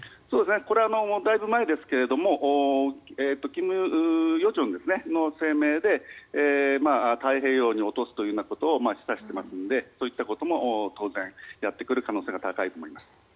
これはだいぶ前ですが金与正の声明で太平洋に落とすということを示唆していますのでそういったことも当然やってくる可能性が高いと思います。